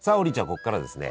ここからはですね